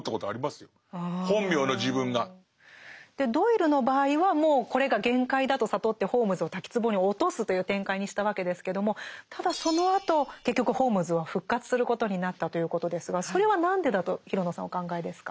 ドイルの場合はもうこれが限界だと悟ってホームズを滝つぼに落とすという展開にしたわけですけどもただそのあと結局ホームズは復活することになったということですがそれは何でだと廣野さんはお考えですか？